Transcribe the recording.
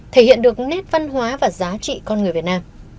thể hiện được nét văn hóa và giá trị con người việt nam